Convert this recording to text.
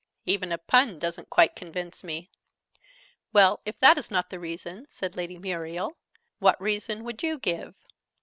"Even a pun doesn't quite convince me." "Well, if that is not the reason," said Lady Muriel, "what reason would you give?"